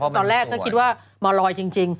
ตอนแรกก็คิดว่ามาลอยจริง